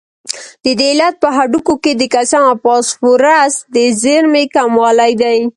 د دې علت په هډوکو کې د کلسیم او فاسفورس د زیرمې کموالی دی.